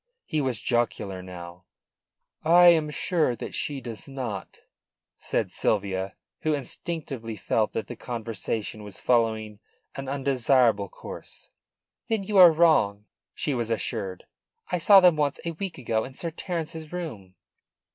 He was jocular now. "I am sure that she does not," said Sylvia, who instinctively felt that the conversation was following an undesirable course. "Then you are wrong," she was assured. "I saw them once, a week ago, in Sir Terence's room."